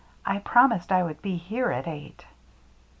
" I promised I would be here at eight."